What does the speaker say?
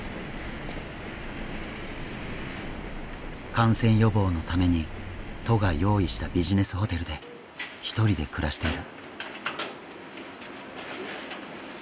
感染予防のために都が用意したビジネスホテルで一人で暮らしている。